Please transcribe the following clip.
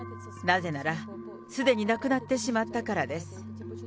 なぜなら、すでに亡くなってしまったからです。